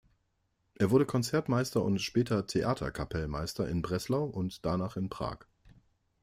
Er wurde Konzertmeister und später Theaterkapellmeister in Breslau und danach in Prag.